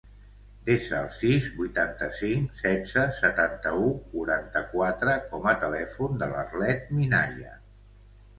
Desa el sis, vuitanta-cinc, setze, setanta-u, quaranta-quatre com a telèfon de l'Arlet Minaya.